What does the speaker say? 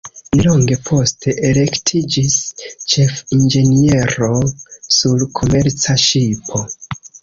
Nelonge poste elektiĝis ĉefinĝeniero sur komerca ŝipo.